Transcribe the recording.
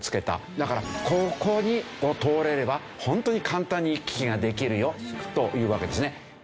だからここを通れればホントに簡単に行き来ができるよというわけですね。